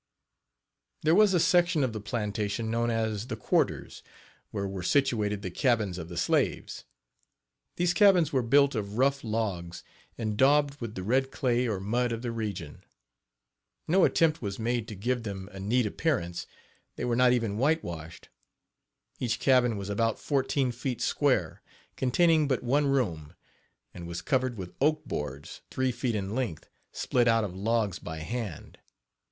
There was a section of the plantation known as "the quarters," where were situated the cabins of the slaves. These cabins were built of rough logs, and daubed with the red clay or mud of the region. No attempt was made to give them a neat appearance they were not even whitewashed. Each cabin was about fourteen feet square; containing but one room, and was covered with oak boards, three feet in length, split out of logs by hand.